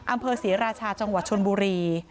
อำเภอศรีราชาจังหวัดชนบุรี